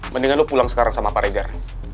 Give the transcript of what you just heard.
mendingan lo pulang sekarang sama pak regar